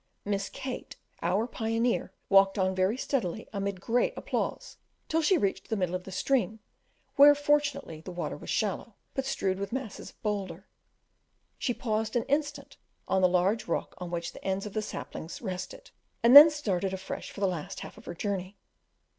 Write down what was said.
Miss Kate, our pioneer, walked on very steadily, amid great applause, till she reached the middle of the stream, where fortunately the water was shallow, but strewed with masses of boulders. She paused an instant on the large rock on which the ends of the saplings rested, and then started afresh for the last half of her journey.